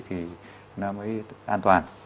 thì nó mới an toàn